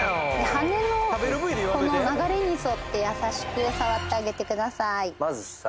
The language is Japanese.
羽のこの流れに沿って優しく触ってあげてください